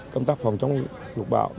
công tác phòng chống lục bạo